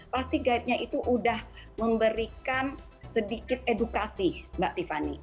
pasti guide nya itu udah memberikan sedikit edukasi mbak tiffany